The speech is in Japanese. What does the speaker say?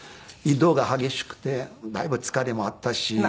移動が激しくてだいぶ疲れもあったし。